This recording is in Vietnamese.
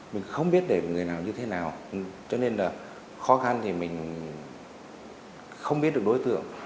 mình không biết để người nào như thế nào cho nên là khó khăn thì mình không biết được đối tượng